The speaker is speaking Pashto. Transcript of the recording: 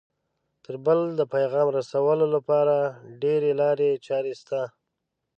تر بل د پیغام رسولو لپاره ډېرې لارې چارې شته